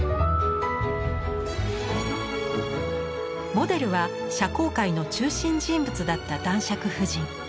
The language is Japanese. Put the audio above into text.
モデルは社交界の中心人物だった男爵夫人。